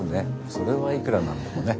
それはいくら何でもね。